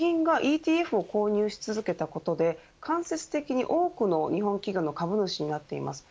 日銀がＥＴＦを購入し続けたことで間接的に多くの日本企業の株主になっています。